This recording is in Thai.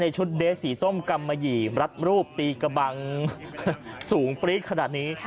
ชุดเดสสีส้มกำมะหยี่รัดรูปตีกระบังสูงปรี๊ดขนาดนี้